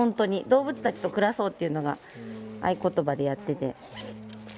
「動物たちと暮らそう」っていうのが合言葉でやっていて。